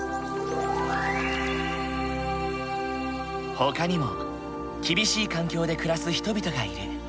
ほかにも厳しい環境で暮らす人々がいる。